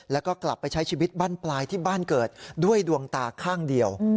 แล้วก็กลับไปใช้ชีวิตบ้านปลายที่บ้านเกิดด้วยดวงตาข้างเดียว